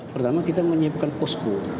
pertama kita menyiapkan posko